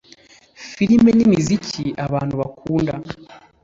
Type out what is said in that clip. filimi n’imiziki abantu bakunda